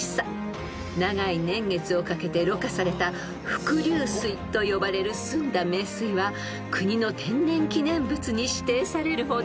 ［長い年月をかけてろ過された伏流水と呼ばれる澄んだ名水は国の天然記念物に指定されるほど］